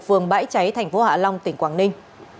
phường bãi cháy thành phố hạ long tỉnh quảng ninh